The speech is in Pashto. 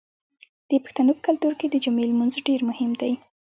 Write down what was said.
د پښتنو په کلتور کې د جمعې لمونځ ډیر مهم دی.